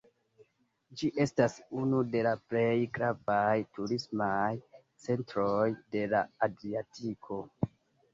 Ĝi estas unu de la plej gravaj turismaj centroj de la Adriatiko.